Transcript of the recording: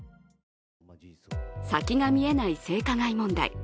先が見えない性加害問題。